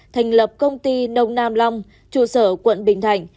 thành lập công ty nông nam long trụ sở quận bình thạnh